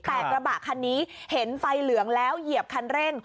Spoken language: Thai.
แต่กระบะคันนี้เห็นไฟเหลืองแล้วเหยียบคันเร่ง